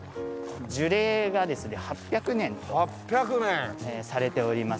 樹齢がですね８００年とされております。